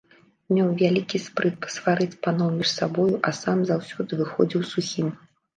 Меў вялікі спрыт пасварыць паноў між сабою, а сам заўсёды выходзіў сухім.